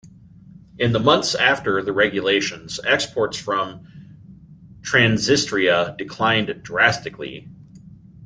In the months after the regulations, exports from Transnistria declined drastically.